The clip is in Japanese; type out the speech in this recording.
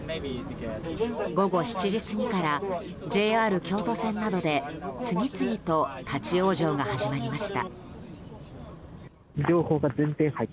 午後７時過ぎからＪＲ京都線などで次々と立ち往生が始まりました。